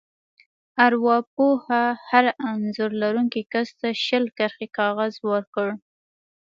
ارواپوه هر انځور لرونکي کس ته شل کرښې کاغذ ورکړ.